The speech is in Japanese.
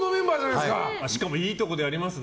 しかも、いいところでやりますね。